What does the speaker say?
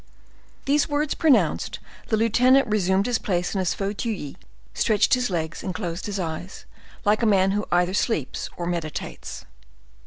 These words pronounced, the lieutenant resumed his place in his fauteuil, stretched his legs and closed his eyes, like a man who either sleeps or meditates.